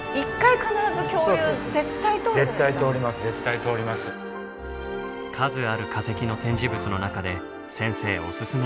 数ある化石の展示物の中で先生おすすめなのが。